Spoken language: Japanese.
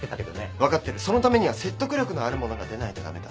分かってるそのためには説得力のあるものが出ないと駄目だ。